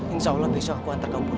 insya allah besok aku antar kamu pulang